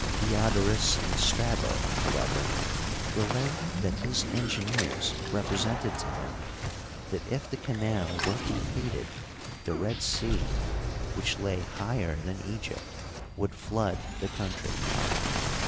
Diodorus and Strabo, however, relate that his engineers represented to him that if the canal were completed the Red Sea, which lay higher than Egypt, would fl<x>d the country.